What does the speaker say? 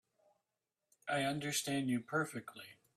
I understand you perfectly.